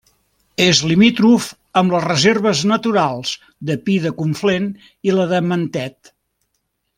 És limítrof amb les reserves naturals de Pi de Conflent i la de Mentet.